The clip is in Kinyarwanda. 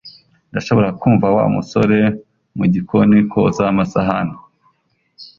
Ndashobora kumva Wa musore mu gikoni koza amasahani